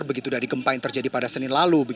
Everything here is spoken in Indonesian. begitu dari gempa yang terjadi pada senin lalu